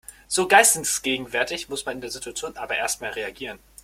So geistesgegenwärtig muss man in der Situation aber erstmal reagieren.